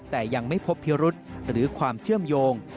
แต่ยังไม่พบพิรุษหรือความเชื่อมโยง